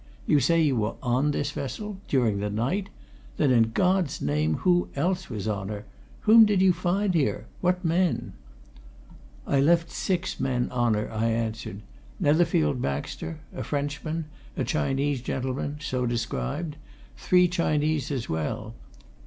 You say you were on this vessel during the night? Then, in God's name, who else was on her whom did you find here what men?" "I left six men on her," I answered. "Netherfield Baxter a Frenchman a Chinese gentleman, so described three Chinese as well.